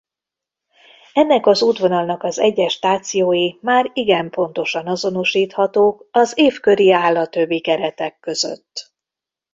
Ennek az útvonalnak az egyes stációi már igen pontosan azonosíthatók az évköri-állatövi keretek között.